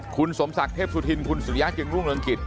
คุณสมศักดิ์เทพสุธินคุณสุริยะจึงรุ่งเรืองกิจ